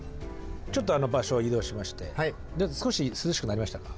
ちょっと場所を移動しまして少し涼しくなりましたか？